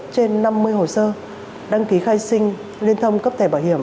trên năm mươi hồ sơ đăng ký khai sinh liên thông cấp thẻ bảo hiểm